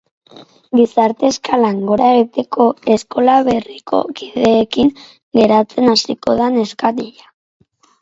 Gizarte-eskalan gora egiteko, eskola berriko kideekin geratzen hasiko da neskatila.